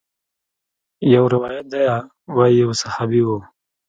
يو روايت ديه وايي يو صحابي و.